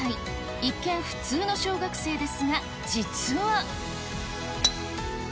一見、普通の小学生ですが、実は。